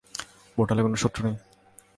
পোর্টালে কোনো শত্রু নেই।